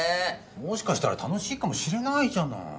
もしかしたら楽しいかもしれないじゃない。